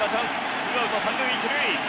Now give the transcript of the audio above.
ツーアウト三塁一塁。